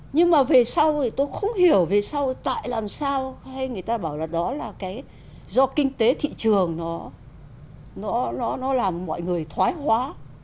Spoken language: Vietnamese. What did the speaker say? nhưng mà về sau thì tôi không hiểu về sau tại làm sao hay người ta bảo là đó là cái do kinh tế thị trường nó làm mọi người thoái hóa